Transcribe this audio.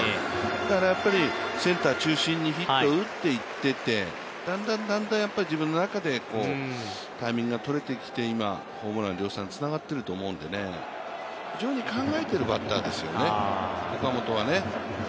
だからやっぱりセンター中心にヒットを打っていっていてだんだんやっぱり自分の中でタイミングがとれてきて今、ホームラン量産につながっていると思うんで非常に考えているバッターですよね、岡本はね。